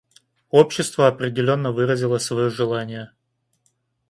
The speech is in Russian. Общество определенно выразило свое желание.